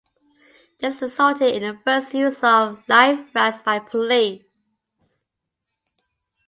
This resulted in the first use of live rounds by police.